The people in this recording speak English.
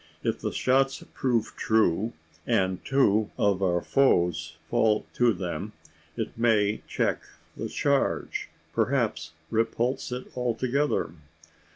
If the shots prove true, and two of our foes fall to them, it may check the charge, perhaps repulse it altogether?